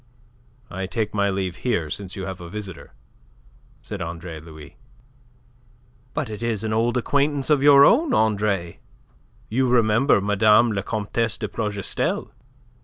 "I take my leave here, since you have a visitor," said Andre Louis. "But it is an old acquaintance of your own, Andre. You remember Mme. la Comtesse de Plougastel?"